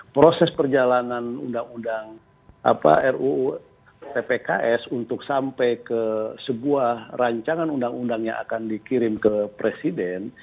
proses perjalanan ruu tpks untuk sampai ke sebuah rancangan undang undang yang akan dikirim ke presiden